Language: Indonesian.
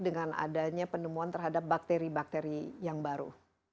dengan adanya penemuan terhadap bakteri bakteri yang baru